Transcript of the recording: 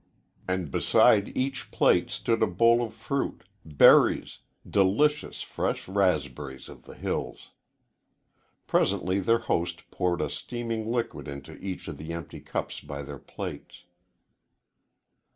And beside each plate stood a bowl of fruit berries delicious fresh raspberries of the hills. Presently their host poured a steaming liquid into each of the empty cups by their plates.